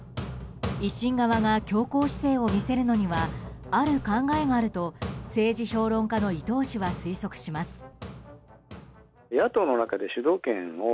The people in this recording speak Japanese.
維新側が強硬姿勢を見せるのにはある考えがあると政治評論家の伊藤氏は推測します。